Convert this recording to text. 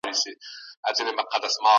تر هغه واره پوري صبر وکړه.